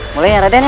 boleh ya raden ya